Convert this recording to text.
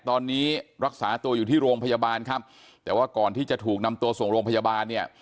ตอนนี้รักษาตัวอยู่ที่โรงพยาบาลครับแต่ว่าก่อนที่จะถูกนำตัวส่งโรงพยาบาลเนี่ย